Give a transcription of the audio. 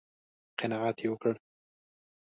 _قناعت يې وکړ؟